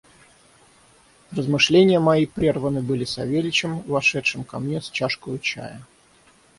Размышления мои прерваны были Савельичем, вошедшим ко мне с чашкою чая.